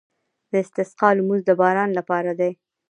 د استسقا لمونځ د باران لپاره دی.